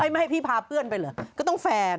ไม่ให้พี่พาเพื่อนไปเหรอก็ต้องแฟร์